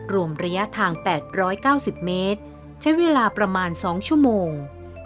รวมระยะทางแปดร้อยเก้าสิบเมตรใช้เวลาประมาณสองชั่วโมง